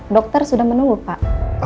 dokter sudah menunggu pak